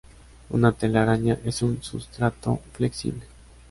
Una telaraña es un sustrato flexible.